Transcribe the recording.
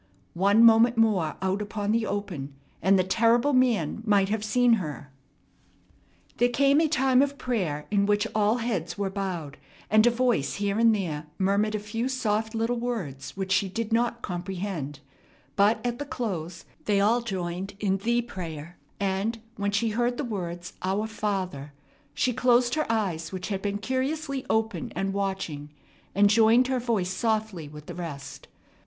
One moment more out upon the open, and the terrible man might have seen her. There came a time of prayer in which all heads were bowed, and a voice here and there murmured a few soft little words which she did not comprehend; but at the close they all joined in "the prayer"; and, when she heard the words, "Our Father," she closed her eyes, which had been curiously open and watching, and joined her voice softly with the rest.